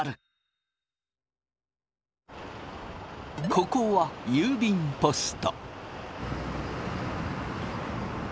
ここは郵便ポスト。